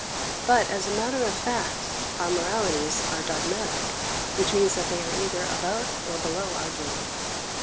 But, as a matter of fact, our moralities are dogmatic, which means that they are either above or below argument.